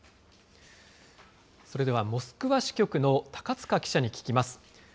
それではモスクワ支局の高塚記者に聞きます。